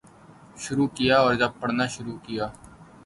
شروع کیا اور جب پڑھنا شروع کیا